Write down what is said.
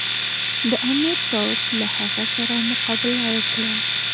د امیر پوځ له هغه سره مقابله وکړه.